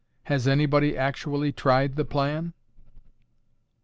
Has anybody actually tried the plan?"